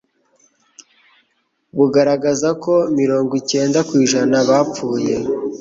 bugaragaza ko mirongo icyenda kwijana bapfuye